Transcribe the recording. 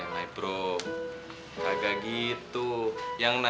tanpa teh dair